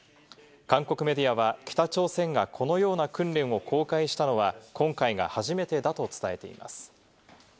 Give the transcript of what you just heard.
韓国メディアは北朝鮮がこのような訓練を公開したのは今回が初めてだと伝えています。